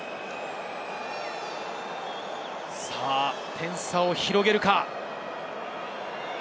点差を広げるか？